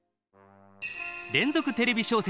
連続テレビ小説